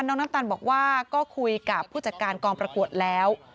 น้ำตาลบอกว่าก็คุยกับผู้จัดการกองประกวดแล้ว